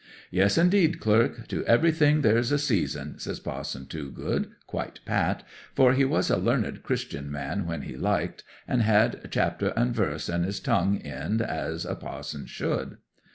'"Yes, indeed, clerk! To everything there's a season," says Pa'son Toogood, quite pat, for he was a learned Christian man when he liked, and had chapter and ve'se at his tongue's end, as a pa'son should.